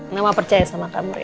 nama percaya sama kamu